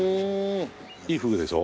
いいふぐでしょ？